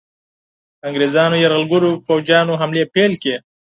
د انګریزانو یرغلګرو پوځیانو حملې پیل کړې.